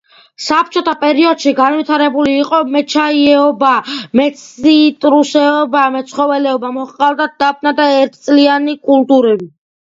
საბჭოთა პერიოდში განვითარებული იყო მეჩაიეობა, მეციტრუსეობა, მეცხოველეობა, მოჰყავდათ დაფნა და ერთწლიანი კულტურები.